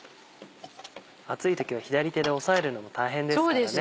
熱い時は左手で押さえるのも大変ですからね。